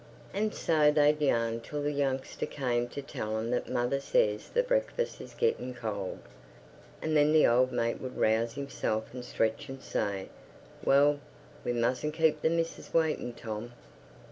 And so they'd yarn till the youngster came to tell them that "Mother sez the breakfus is gettin' cold," and then the old mate would rouse himself and stretch and say, "Well, we mustn't keep the missus waitin', Tom!"